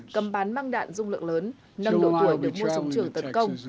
cấm bán măng đạn dung lượng lớn nâng độ tuổi được mua súng trường tấn công